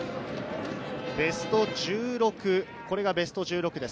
ベスト１６、これがベスト１６です。